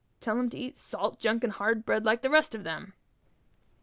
Tell him to eat salt junk and hard bread, like the rest of them."